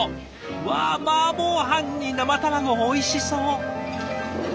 うわマーボー飯に生卵おいしそう。